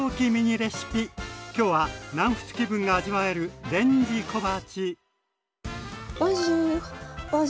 きょうは南仏気分が味わえるレンジ小鉢。